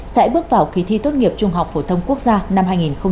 sẽ bước vào kỳ thi tốt nghiệp trung học phổ thông quốc gia năm hai nghìn hai mươi